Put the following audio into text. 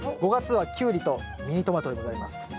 ５月はキュウリとミニトマトでございます。